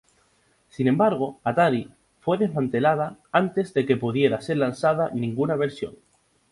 Sin embargo Atari fue desmantelada antes de que pudiera ser lanzada ninguna versión.